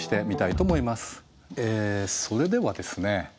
それではですね